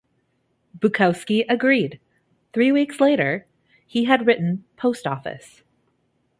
Bukowski agreed; three weeks later, he had written "Post Office".